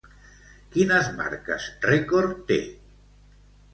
Quines marques rècord té?